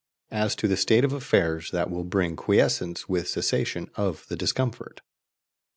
as to the state of affairs that will bring quiescence with cessation of the discomfort.